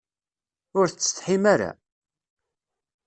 Ur tsetḥim ara?